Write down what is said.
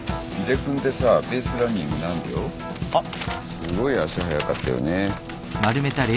すごい足速かったよね。